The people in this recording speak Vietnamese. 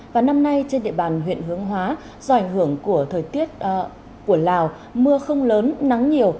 và năm nay trên địa bàn huyện hướng hóa do ảnh hưởng của thời tiết của lào mưa không lớn nắng nhiều